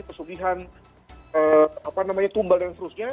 pesugihan tumbal dan seterusnya